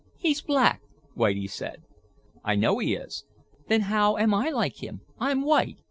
"He's black," Whitie said. "I know he is." "Then how am I like him? I'm white.